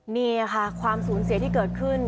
นี่ค่ะความสูญเสียที่เกิดขึ้น